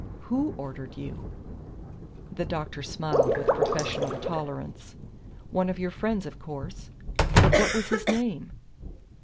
"WHO ordered you?" The doctor smiled with professional tolerance. "One of your friends, of course." "But what was his name?"